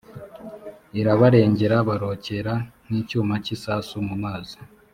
irabarengera barokera nk icyuma cy isasu mu mazi.